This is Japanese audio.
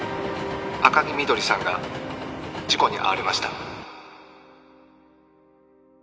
☎赤城みどりさんが事故に遭われました